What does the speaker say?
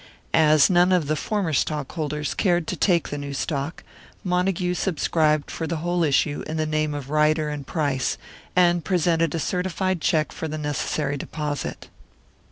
As none of the former stockholders cared to take the new stock, Montague subscribed for the whole issue in the name of Ryder and Price, and presented a certified check for the necessary deposit.